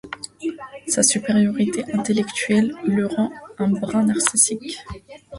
Sa supériorité intellectuelle la rend un brin narcissique.